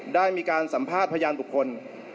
ได้มีการสัมภาษณ์พยานบุคคล